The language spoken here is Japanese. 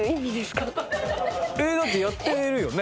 えっだってやってるよね。